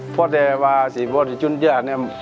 พอได้ว่าสี่พ่อที่จุ้นเจ้าเนี่ย